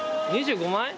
２５枚？